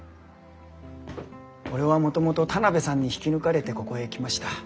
俺はもともと田邊さんに引き抜かれてここへ来ました。